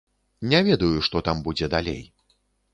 Не ведаю, што там будзе далей.